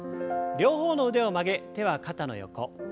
両方の腕を曲げ手は肩の横。